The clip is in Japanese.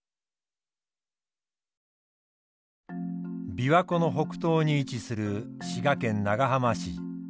琵琶湖の北東に位置する滋賀県長浜市。